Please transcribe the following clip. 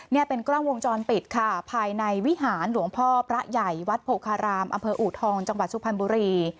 นี่เป็นกล้องวงจรปิดค่ะภายในวิหารหลวงพ่อพระใหญ่วัดโพคารามอำเภออูทองจังหวัดสุพรรณบุรี